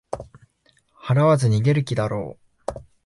払わず逃げる気だろう